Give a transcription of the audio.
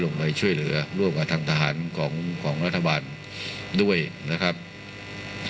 ทรงมีลายพระราชกระแสรับสู่ภาคใต้